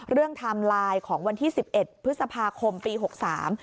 เรื่องทำลายของวันที่สิบเอ็ดพฤษภาคมปีหกสาม